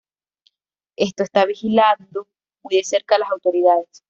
Esto está vigilando muy de cerca a las autoridades.